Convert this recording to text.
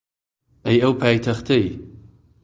ئەی ئەو پایتەختەی